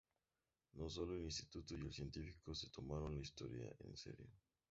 No solo el Instituto y el científico se tomaron la historia en serio